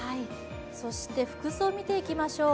そして服装見ていきましょう。